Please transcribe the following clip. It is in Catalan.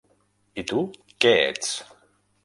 I tu, què ets?